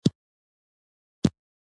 د کافي پیالې ته ناست دی په ژړا دی